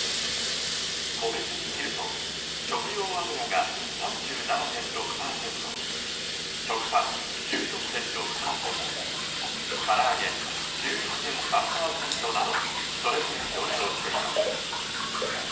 個別に見ると食用油が３７．６％食パン、１４．６％からあげ、１１．３％などそれぞれ上昇しています。